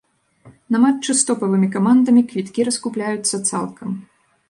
На матчы з топавымі камандамі квіткі раскупляюцца цалкам.